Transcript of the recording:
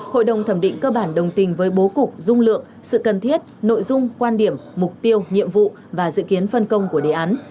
hội đồng thẩm định cơ bản đồng tình với bố cục dung lượng sự cần thiết nội dung quan điểm mục tiêu nhiệm vụ và dự kiến phân công của đề án